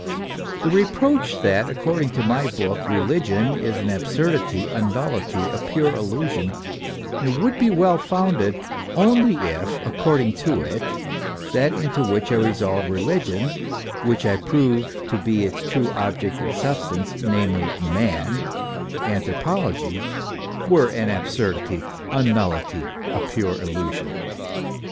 The reproach that according to my book, religion is an absurdity, a nullity, a pure illusion, would be well founded only if, according to it, that into which I re solve religion, which I prove to be its true object and substance, namely man, anthropology, were an absurdity, a nullity, a pure illusion.